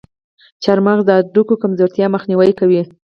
چارمغز د هډوکو کمزورتیا مخنیوی کوي.